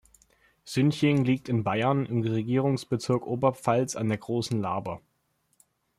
Sünching liegt in Bayern, im Regierungsbezirk Oberpfalz an der Großen Laber.